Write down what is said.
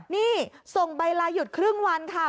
นี่ส่งใบลาหยุดครึ่งวันค่ะ